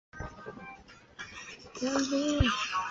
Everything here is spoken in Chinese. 最大特色为双萤幕尺寸加大。